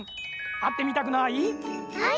あってみたくない？